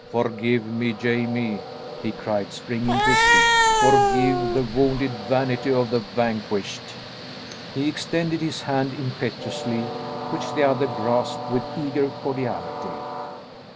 "Forgive me, Jamie," he cried, springing to his feet. "Forgive the wounded vanity of the vanquished." He extended his hand impetuously, which the other grasped with eager cordiality.